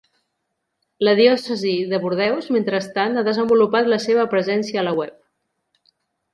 La Diòcesi de Bordeus, mentrestant, ha desenvolupat la seva presència a la web.